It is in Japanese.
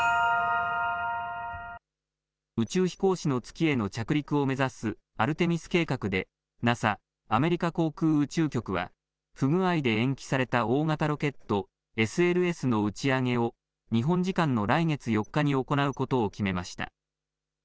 宇宙飛行士の月への着陸を目指すアルテミス計画でＮＡＳＡ・アメリカ航空宇宙局は不具合で延期された大型ロケットＳＬＳの打ち上げを日本時間の来月４日に行うことを決めました。